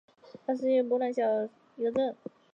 奥斯威辛是波兰小波兰省的一个镇。